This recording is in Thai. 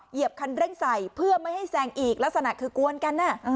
เหยียบคันเร่งใส่เพื่อไม่ให้แซงอีกลักษณะคือกวนกัน